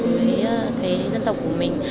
với cái dân tộc của mình